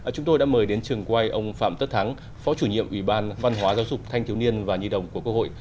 chúng tôi đã mời đến trường quay ông phạm tất thắng phó chủ nhiệm ủy ban văn hóa giáo dục thanh thiếu niên và nhi đồng của quốc hội